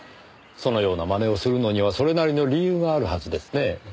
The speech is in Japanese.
そのような真似をするのにはそれなりの理由があるはずですね。